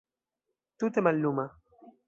Tute malluma.